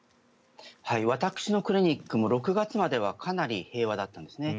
私のクリニックも６月まではかなり平和だったんですね。